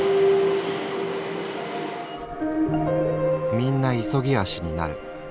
「みんな急ぎ足になる。